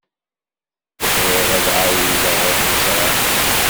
Bɣiɣ ad ɛawdeɣ ad k-ẓreɣ.